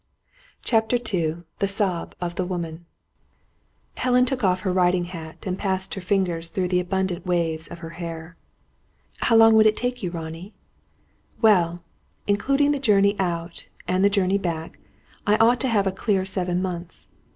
CHAPTER II THE SOB OF THE WOMAN Helen took off her riding hat, and passed her fingers through the abundant waves of her hair. "How long would it take you, Ronnie?" "Well including the journey out, and the journey back, I ought to have a clear seven months.